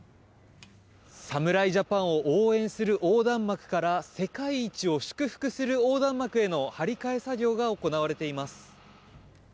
侍ジャパンを応援する横断幕から世界一を祝福する横断幕への張り替え作業が行われています。